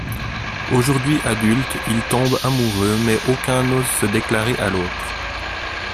Aujourd'hui adultes, ils tombent amoureux mais aucun n'ose se déclarer à l'autre.